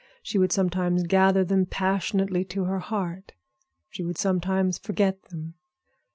She would sometimes gather them passionately to her heart; she would sometimes forget them.